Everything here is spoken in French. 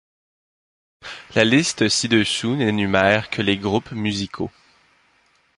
La liste ci-dessous n'énumère que les groupes musicaux.